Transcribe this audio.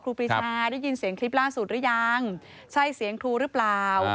ครูปีชาได้ยินเสียงคลิปล่าสุดหรือยังใช่เสียงครูหรือเปล่า